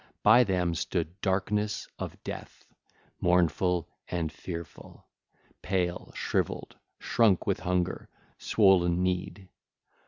By them stood Darkness of Death, mournful and fearful, pale, shrivelled, shrunk with hunger, swollen kneed.